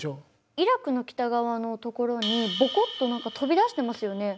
イラクの北側のところにボコッと何か飛び出してますよね。